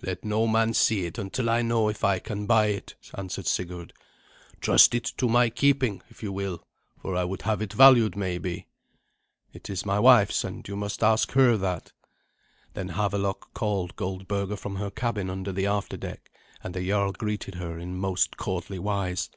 "Let no man see it until I know if I can buy it," answered Sigurd. "Trust it to my keeping, if you will, for I would have it valued maybe." "It is my wife's, and you must ask her that." Then Havelok called Goldberga from her cabin under the after deck, and the jarl greeted her in most courtly wise.